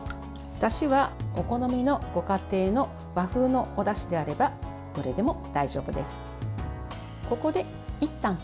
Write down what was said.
だしは、お好みのご家庭の和風のおだしであればどれでも大丈夫です。